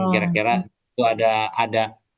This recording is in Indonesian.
kira kira itu ada